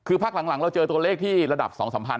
คือพักหลังเราเจอตัวเลขที่ระดับ๒๓พัน